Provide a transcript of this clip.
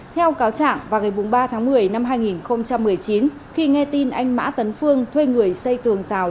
theo cáo trạng vào ngày bốn mươi ba tháng một mươi năm hai nghìn một mươi chín khi nghe tin anh mã tấn phương thuê người xây tường rào